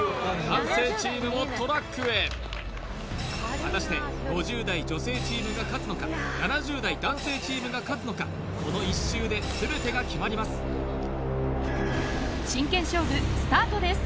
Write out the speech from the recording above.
男性チームもトラックへ果たして５０代女性チームが勝つのか７０代男性チームが勝つのかこの１周で全てが決まりますいけー！